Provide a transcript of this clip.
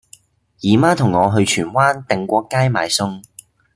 姨媽同我去荃灣定國街買餸